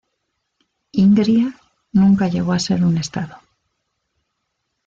Ingria nunca llegó a ser un Estado.